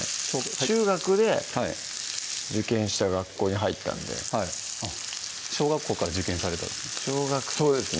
中学で受験した学校に入ったんではい小学校から受験されたんですね